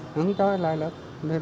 không cho lại nữa